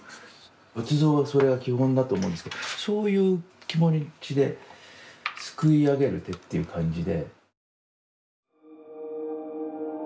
仏像はそれが基本だと思うんですけどそういう気持ちで救いあげる手っていう感じで。